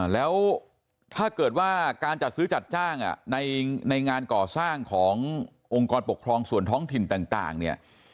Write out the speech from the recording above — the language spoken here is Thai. แล้วถ้าเกิดว่าการจัดซื้อจัดจ้างในงานก่อสร้างขององค์กรปกครองส่วนท้องถิ่นต่างเนี่ย